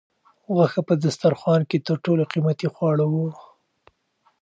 غوښه په دسترخوان کې تر ټولو قیمتي خواړه وو.